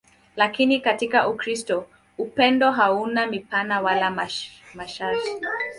Lakini katika Ukristo upendo hauna mipaka wala masharti.